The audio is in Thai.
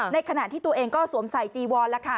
ในขณะที่ตัวเองก็สวมใส่จีวอนแล้วค่ะ